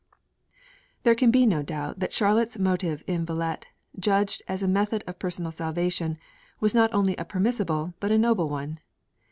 There can be no doubt that Charlotte's motive in Villette, judged as a method of personal salvation, was not only a permissible, but a noble one.